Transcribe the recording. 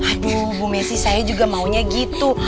aduh bu messi saya juga maunya gitu